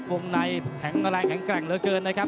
วงในแข็งแรงแข็งแกร่งเหลือเกินนะครับ